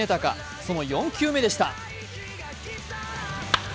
その４球目でした。